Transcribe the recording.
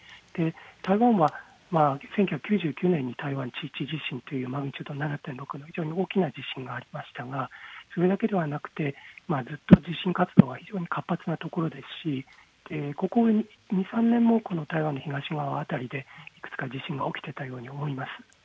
台湾は１９９９年に台湾地域地震というマグニチュード７．６の大きな地震がありましたがそれだけではなく、ずっと地震が非常に活発なところですしここ２、３年も台湾の東側辺りで地震が起きていたと思います。